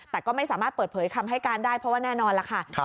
แต่ก็ไม่สามารถเปิดเผยคำให้การได้เพราะว่าแน่นอนล่ะค่ะ